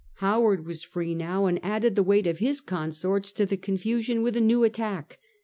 Howard was free now, and added the weight of his consorts to the confusion with a new attack.